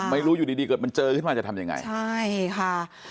ไม่รู้อยู่ดีดีเกิดมันเจอขึ้นมาจะทำยังไงใช่ค่ะ